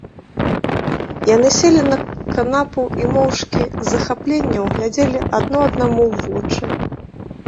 Яны селі на канапу і моўчкі з захапленнем глядзелі адно аднаму ў вочы.